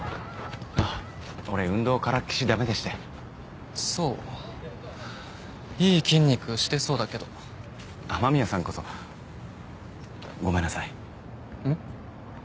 あっ俺運動からっきしダメでしてそういい筋肉してそうだけど雨宮さんこそごめんなさいん？